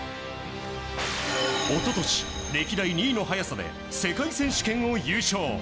一昨年、歴代２位の早さで世界選手権を優勝。